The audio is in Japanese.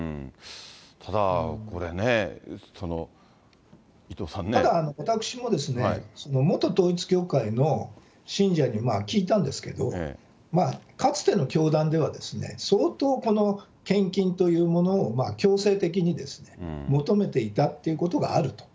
ただ、これね、ただ、私も元統一教会の信者に聞いたんですけど、かつての教団では、相当この献金というものを強制的に求めていたっていうことがあると。